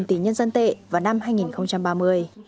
một tỷ nhân dân tệ vào năm hai nghìn ba mươi